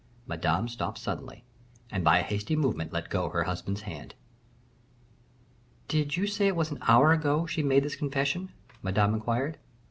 Madame stopped suddenly, and by a hasty movement let go her husband's hand. "Did you say it was an hour ago she made this confession?" Madame inquired.